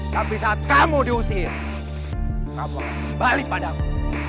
tapi saat kamu diusir kamu akan kembali padamu